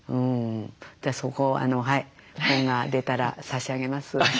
そこをはい本が出たら差し上げます。